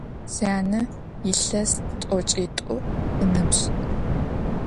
Syane yilhes t'oç'it'u ınıbj.